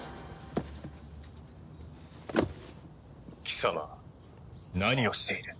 貴様何をしている？